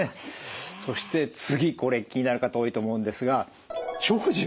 そして次これ気になる方多いと思うんですが長寿。